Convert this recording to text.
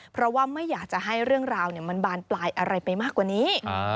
เพราะว่าไม่อยากจะให้เรื่องราวมันบานปลายอะไรไปมากกว่านี้